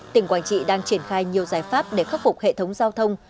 tỉnh quảng trị đang triển khai nhiều giải pháp để khắc phục hệ thống giao thông